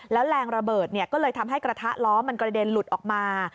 แล้วแรงระเบิดก็เลยทำให้กระทะล้อมันกระเด็นหลุดออกมา